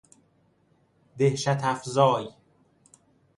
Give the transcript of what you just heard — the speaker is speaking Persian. دهشت افزای